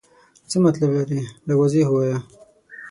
څه مطلب لرې ؟ لږ واضح ووایه.